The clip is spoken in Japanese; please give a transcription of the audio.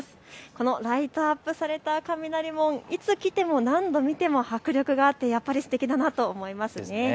このライトアップされた雷門、いつ来ても何度見ても迫力があってやっぱりすてきだなと思います。